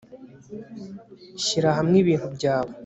shyira hamwe ibintu byawe